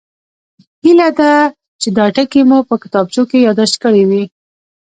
هیله ده چې دا ټکي مو په کتابچو کې یادداشت کړي وي